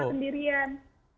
yang matang dirian